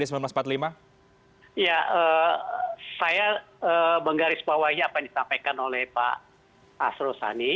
ya saya menggaris bawahnya apa yang ditampaikan oleh pak asro sani